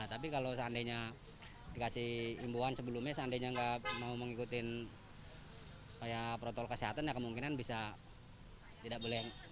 tapi kalau seandainya dikasih imbuan sebelumnya seandainya nggak mau mengikuti protokol kesehatan ya kemungkinan bisa tidak boleh